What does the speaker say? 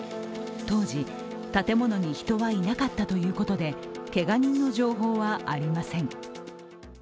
当時、建物に人はいなかったということで、けが人の情報はありません。